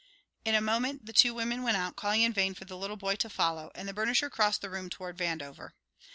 In a moment the two women went out, calling in vain for the little boy to follow, and the burnisher crossed the room toward Vandover.